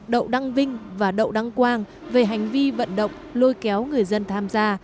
đậu đăng vinh và đậu đăng quang về hành vi vận động lôi kéo người dân tham gia